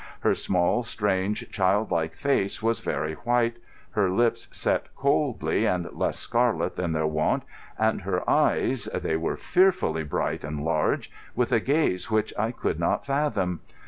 Her small, strange, child like face was very white, her lips set coldly and less scarlet than their wont, and her eyes—they were fearfully bright and large, with a gaze which I could not fathom.